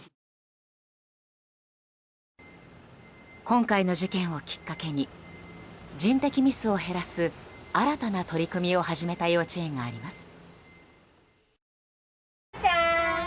今回の事件をきっかけに人的ミスを減らす新たな取り組みを始めた幼稚園があります。